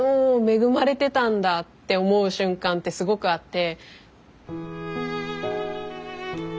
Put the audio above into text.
恵まれてたんだって思う瞬間ってすごくあって。